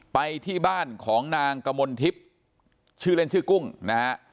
ไปที่บ้านของนางกมลทิพย์ชื่อเล่นชื่อกุ้งนะฮะ